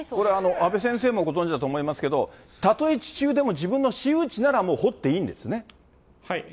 これ、阿部先生もご存じだと思いますけれども、たとえ地中でも、自分の私有地ならもう掘っていいんですね？